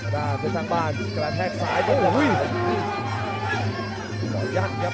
เพชรสร้างบ้านกระแทกซ้ายโอ้โหโอ้ยต่อยัดครับ